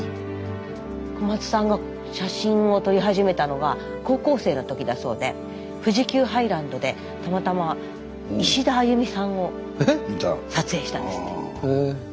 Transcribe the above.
小松さんが写真を撮り始めたのは高校生の時だそうで富士急ハイランドでたまたまいしだあゆみさんを撮影したんですって。